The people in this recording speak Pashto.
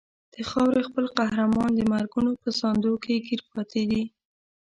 د خاورې خپل قهرمانان د مرګونو په ساندو کې ګیر پاتې دي.